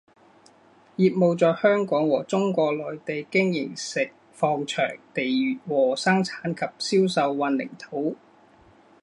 业务在香港和中国内地经营石矿场地和生产及销售混凝土。